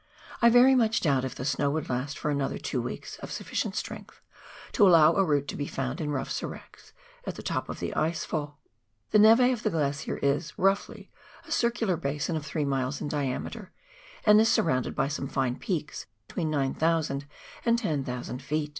I verj' much doubt if the snow would last for another two weeks of suffi cient strength to allow a route to be found in rough seracs at the top of the ice fall. The neve of the glacier is, roughly, a circular basin of three miles in diameter, and is surrounded by some fine peaks between 9,000 and 10,000 ft.